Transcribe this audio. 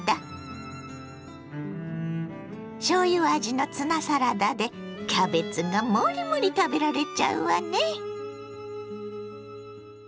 しょうゆ味のツナサラダでキャベツがモリモリ食べられちゃうわね。